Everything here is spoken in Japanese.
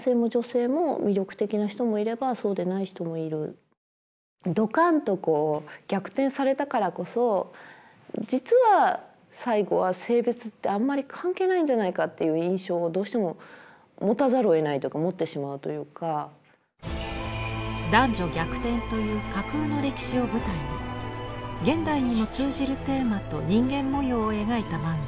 何か結局そのドカンとこう逆転されたからこそ実は最後は男女逆転という架空の歴史を舞台に現代にも通じるテーマと人間模様を描いた漫画「大奥」。